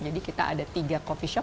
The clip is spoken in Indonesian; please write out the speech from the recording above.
jadi kita ada tiga kopinya